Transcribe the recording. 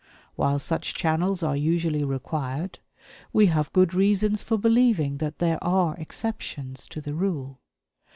While such channels are usually required, we have good reasons for believing that there are exceptions to the rule.